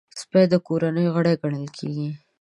سپي د کورنۍ غړی ګڼل کېږي.